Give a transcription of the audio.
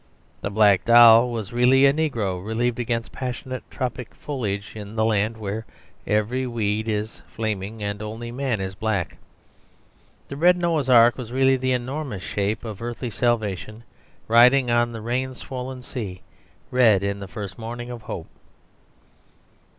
The black doll was really a negro relieved against passionate tropic foliage in the land where every weed is flaming and only man is black. The red Noah's ark was really the enormous ship of earthly salvation riding on the rain swollen sea, red in the first morning of hope.